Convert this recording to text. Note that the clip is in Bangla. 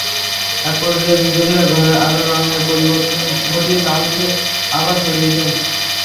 একপর্যায়ে বিজ্ঞানীরা ঘরের আলোর রঙে পরিবর্তন ঘটিয়ে লালচে আভা ছড়িয়ে দেন।